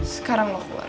sekarang lo keluar